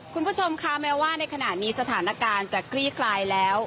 คุณผู้ชมคะแม้ว่าในขณะนี้สถานการณ์จะคลี่คลายแล้ว